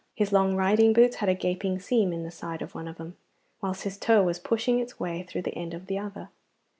His long riding boots had a gaping seam in the side of one of them, whilst his toe was pushing its way through the end of the other.